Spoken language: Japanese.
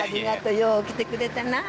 よう来てくれたなあ。